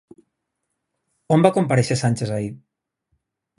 On va comparèixer Sánchez ahir?